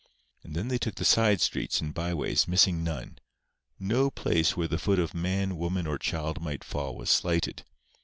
And then they took the side streets and by ways, missing none. No place where the foot of man, woman or child might fall was slighted.